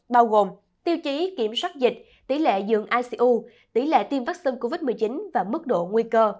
bao gồm tiêu chí kiểm soát dịch tỷ lệ dường icu tỷ lệ tiêm vaccine covid một mươi chín và mức độ nguy cơ